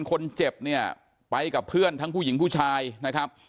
คนเจ็บเนี่ยไปกับเพื่อนทั้งผู้หญิงผู้ชายนะครับ